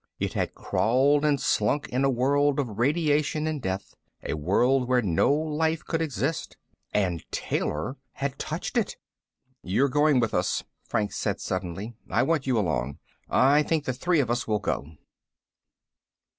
It had crawled and slunk in a world of radiation and death, a world where no life could exist. And Taylor had touched it! "You're going with us," Franks said suddenly. "I want you along. I think the three of us will go."